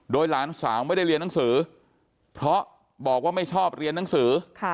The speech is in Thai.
โดยหลานสาวไม่ได้เรียนหนังสือเพราะบอกว่าไม่ชอบเรียนหนังสือ